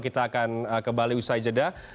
kita akan kembali usai jeda